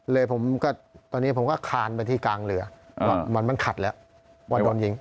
ผมก็ตอนนี้ผมก็คานไปที่กลางเรือเหมือนมันขัดแล้วว่าโดนยิง